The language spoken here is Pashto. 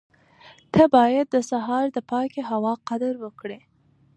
ته باید د سهار د پاکې هوا قدر وکړې.